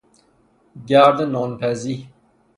گرد نان پزی